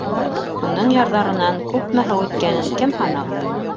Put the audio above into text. Уның ярҙарынан күпме һыу үткәнен кем һанаған?